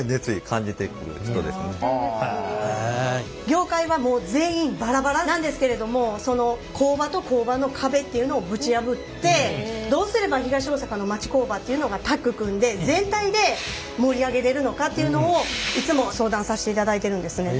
業界はもう全員バラバラなんですけれどもその工場と工場の壁っていうのをぶち破ってどうすれば東大阪の町工場っていうのがタッグ組んで全体で盛り上げれるのかっていうのをいつも相談させていただいてるんですね。